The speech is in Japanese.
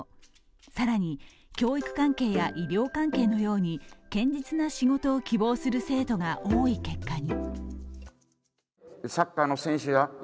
更に、教育関係や医療関係のように堅実な仕事を希望する生徒が多い結果に。